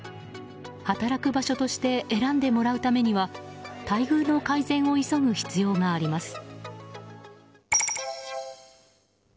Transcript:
働く場所として選んでもらうためには待遇の改善を急ぐ必要があります。